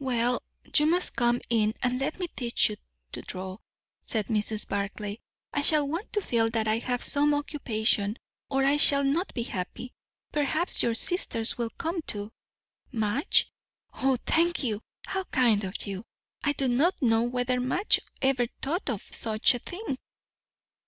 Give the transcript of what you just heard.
"Well, you must come in and let me teach you to draw," said Mrs. Barclay. "I shall want to feel that I have some occupation, or I shall not be happy. Perhaps your sister will come too." "Madge? O, thank you! how kind of you! I do not know whether Madge ever thought of such a thing."